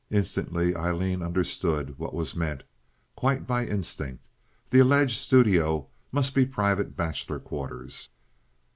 Instantly Aileen understood what was meant—quite by instinct. The alleged studio must be private bachelor quarters.